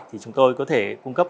thì chúng tôi có thể cung cấp